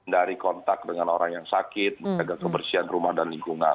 hendari kontaks dengan orang yang sakit jaga kebersihan rumah dan lingkungan